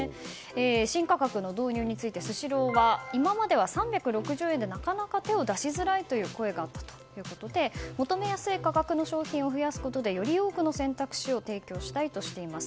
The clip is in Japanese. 新価格の導入についてスシローは今までは３６０円でなかなか手を出しづらいという声があったということで求めやすい価格の商品を増やすことでより多くの選択肢を提供したいとしています。